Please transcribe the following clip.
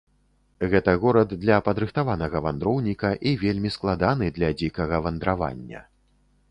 Гэта горад для падрыхтаванага вандроўніка і вельмі складаны для дзікага вандравання.